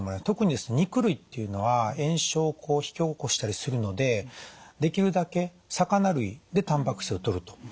特に肉類っていうのは炎症を引き起こしたりするのでできるだけ魚類でたんぱく質をとると。